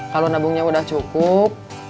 kalau nabungnya udah cukup